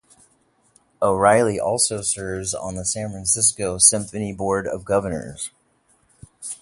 O'Reilly also serves on the San Francisco Symphony Board of Governors.